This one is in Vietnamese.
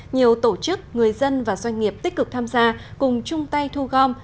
nhiều tổ chức người dân và doanh nghiệp tích cực tham gia cùng chung tay thu gom